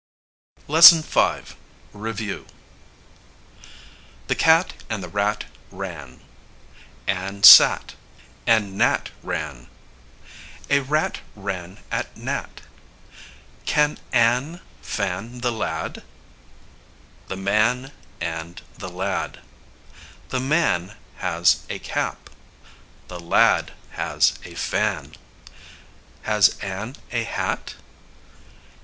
LESSON V. REVIEW. The cat and the rat ran. Ann sat, and Nat ran. A rat ran at Nat. Can Ann fan the lad? The man and the lad. The man has a cap. The lad has a fan. Has Ann a hat?